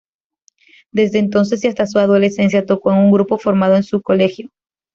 Desde entonces, y hasta su adolescencia, tocó en un grupo formado en su colegio.